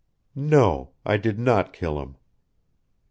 "No I did not kill him."